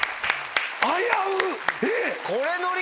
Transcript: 危うっ！